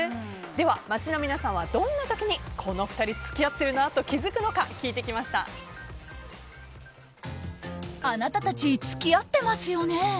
では街の皆さんは、どんな時にこの２人付き合ってるなとあなたたち付き合ってますよね？